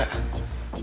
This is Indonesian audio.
capek tau gak